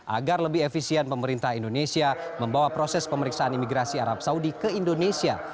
agar lebih efisien pemerintah indonesia membawa proses pemeriksaan imigrasi arab saudi ke indonesia